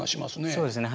そうですね。